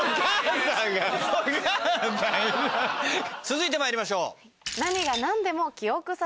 続いてまいりましょう。